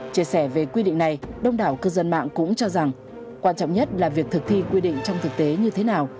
chia sẻ về quy định này đông đảo cư dân mạng cũng cho rằng quan trọng nhất là việc thực thi quy định trong thực tế như thế nào